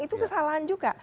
itu kesalahan juga